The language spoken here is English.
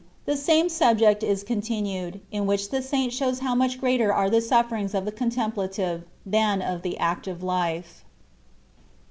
THE SAME SUBJECT IS CONTINUED, IN WHICH THE SAINT SHOWS HOW MUCH GREATER ARE THE SUFFERINGS OF THE CONTEMPLA TIVE, THAN OF THE ACTIVE LIFE.